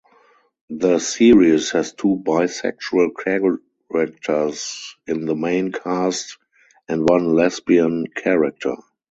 The series has two bisexual characters in the main cast and one lesbian character.